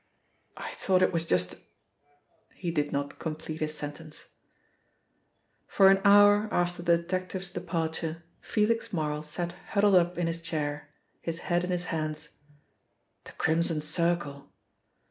"I thought it was just a " he did not complete his sentence. For an hour after the detective's departure Felix Marl sat huddled up in his chair, his head in his hands. The Crimson Circle!